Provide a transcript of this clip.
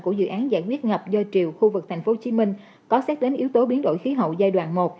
của dự án giải quyết ngập do triều khu vực tp hcm có xét đến yếu tố biến đổi khí hậu giai đoạn một